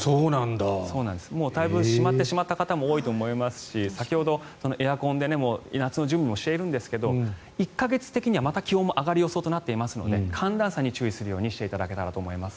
もうだいぶしまってしまった方も多いと思いますし先ほど、エアコンで夏の準備もしているんですが１か月的にはまた気温も上がるようになっていますので寒暖差に注意するようにしていただけたらと思います。